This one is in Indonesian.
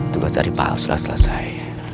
tugas dari pak ahok sudah selesai